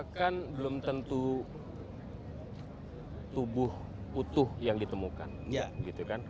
bahkan belum tentu tubuh utuh yang ditemukan gitu kan